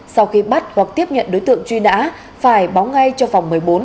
sau khi bắt hoặc tiếp nhận đối tượng truy nã phải báo ngay cho phòng một mươi bốn